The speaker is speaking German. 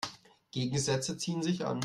Gegensätze ziehen sich an.